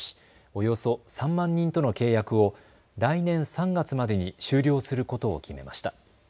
およそ３万人との契約を来年３月までに終了することを決めました。